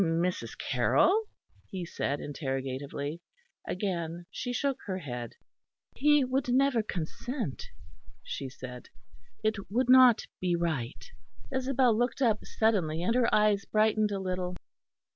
"Mrs. Carroll?" he said interrogatively. Again she shook her head. "He would never consent," she said, "it would not be right." Isabel looked up suddenly, and her eyes brightened a little.